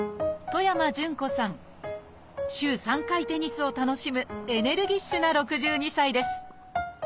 週３回テニスを楽しむエネルギッシュな６２歳です